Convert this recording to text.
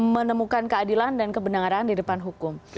menemukan keadilan dan kebenaran di depan hukum